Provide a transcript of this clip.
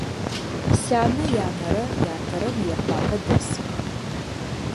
Сянэ янэрэ ятэрэ Мыекъуапэ дэсых.